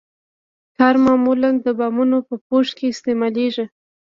ټار معمولاً د بامونو په پوښښ کې استعمالیږي